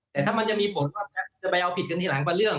แต่ถ้ามันจะมีผลก็จะไปเอาผิดกันทีหลังก็เรื่อง